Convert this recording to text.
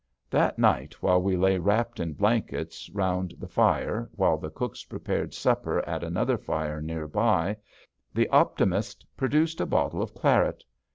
That night, while we lay wrapped in blankets round the fire while the cooks prepared supper at another fire near by, the Optimist produced a bottle of claret.